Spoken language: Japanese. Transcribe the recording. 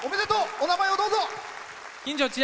お名前をどうぞ！